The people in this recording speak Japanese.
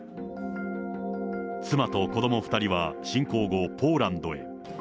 妻と子ども２人は侵攻後、ポーランドへ。